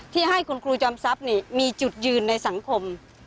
ที่ให้คุณครูจำทรัพย์นี่มีจุดยืนในสังคม